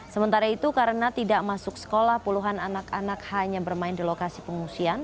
sementara itu karena tidak masuk sekolah puluhan anak anak hanya bermain di lokasi pengungsian